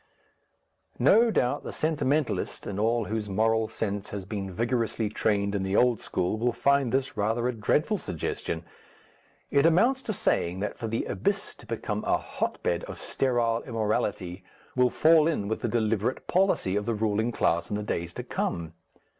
No doubt the sentimentalist and all whose moral sense has been vigorously trained in the old school will find this rather a dreadful suggestion; it amounts to saying that for the Abyss to become a "hotbed" of sterile immorality will fall in with the deliberate policy of the ruling class in the days to come.